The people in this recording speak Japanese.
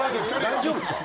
大丈夫っすか？